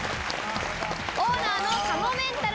オーナーの「かもめんたる」